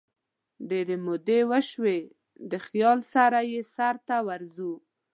ډیري مودې وشوي دخیال سره یې سرته ورځو